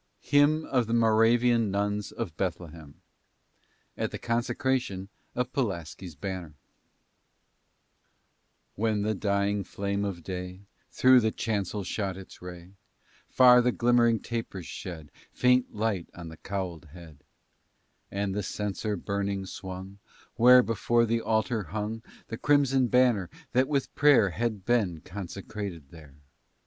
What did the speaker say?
HYMN OF THE MORAVIAN NUNS OF BETHLEHEM AT THE CONSECRATION OF PULASKI'S BANNER When the dying flame of day Through the chancel shot its ray, Far the glimmering tapers shed Faint light on the cowlèd head; And the censer burning swung, Where, before the altar, hung The crimson banner, that with prayer Had been consecrated there.